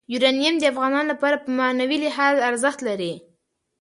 یورانیم د افغانانو لپاره په معنوي لحاظ ارزښت لري.